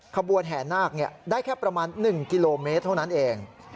ขบวนแห่นาคได้แค่ประมาณ๑กิโลเมตรเท่านั้นเอง